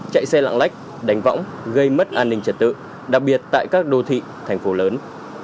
chạy xe lạng lách đánh võng gây mất an ninh trật tự đặc biệt tại các đô thị thành phố lớn